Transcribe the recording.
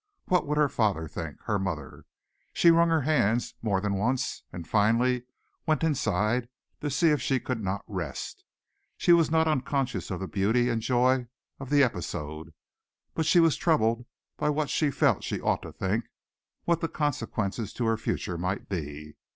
What would her father think, her mother? She wrung her hands more than once and finally went inside to see if she could not rest. She was not unconscious of the beauty and joy of the episode, but she was troubled by what she felt she ought to think, what the consequences to her future might be.